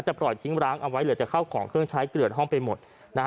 แต่ปล่อยทิ้งร้างเอาไว้เหลือแต่เข้าของเครื่องใช้เกลือดห้องไปหมดนะฮะ